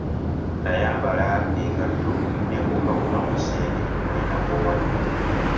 Nayambala engatto ne mbukabuuka mu kisenge naye nakoowa nnyo.